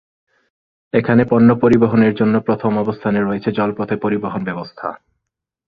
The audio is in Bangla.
এখানে পণ্য পরিবহনের জন্য প্রথম অবস্থানে রয়েছে জলপথে পরিবহন ব্যবস্থা।